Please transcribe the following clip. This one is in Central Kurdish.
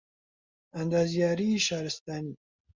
ئەندازیاریی شارستانی